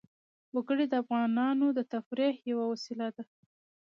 وګړي د افغانانو د تفریح یوه وسیله ده.